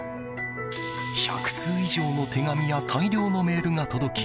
１００通以上の手紙や大量のメールが届き